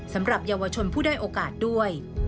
สำหรับเยาวชนผู้ได้โอกาสด้วย